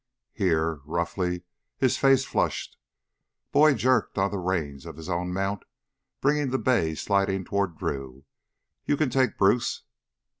"Here!" Roughly, his face flushed, Boyd jerked on the reins of his own mount, bringing the bay sidling toward Drew. "You can take Bruce...."